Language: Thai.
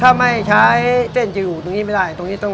ถ้าไม่ใช้เส้นจะอยู่ตรงนี้ไม่ได้ตรงนี้ต้อง